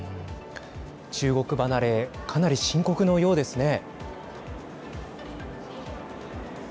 中国離れかなり深刻のようですね。